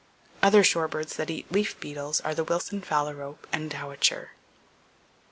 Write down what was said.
Other shorebirds that eat leaf beetles are the Wilson phalarope and dowitcher.